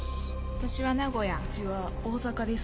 「私は名古屋」「ウチは大阪です」